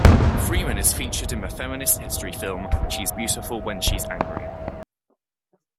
Freeman is featured in the feminist history film "She's Beautiful When She's Angry".